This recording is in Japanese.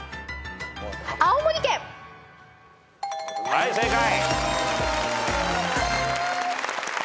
はい正解。